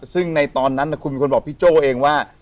ซึ่งในตอนนั้นคุณเป็นคนบอกพี่โจ้เองว่า